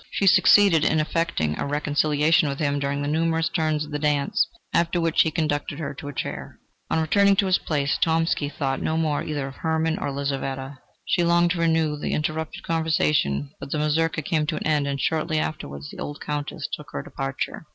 She succeeded in effecting a reconciliation with him during the numerous turns of the dance, after which he conducted her to her chair. On returning to his place, Tomsky thought no more either of Hermann or Lizaveta. She longed to renew the interrupted conversation, but the mazurka came to an end, and shortly afterwards the old Countess took her departure.